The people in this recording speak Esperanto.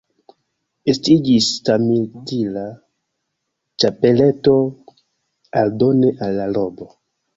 Estiĝis samstila ĉapeleto aldone al la robo.